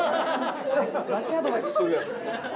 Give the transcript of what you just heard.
ガチアドバイスしとるやん。